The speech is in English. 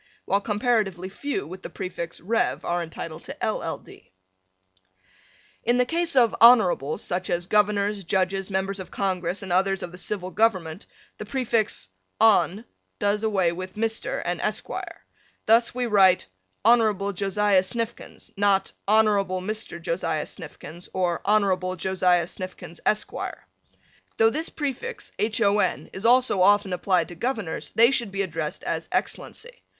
while comparatively few with the prefix "Rev." are entitled to "LL. D." In the case of Honorables such as Governors, Judges, Members of Congress, and others of the Civil Government the prefix "Hon." does away with Mr. and Esq. Thus we write Hon. Josiah Snifkins, not Hon. Mr. Josiah Snifkins or Hon. Josiah Snifkins, Esq. Though this prefix Hon. is also often applied to Governors they should be addressed as Excellency.